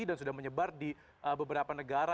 dan sudah menyebar di beberapa negara